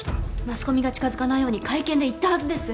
マスコミが近づかないように会見で言ったはずです